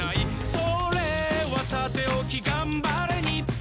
「それはさておきがんばれ日本」